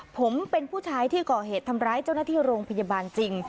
ผมเป็นผู้ชายที่ก่อเหตุทำร้ายเจ้าหน้าที่โรงพยาบาลจริง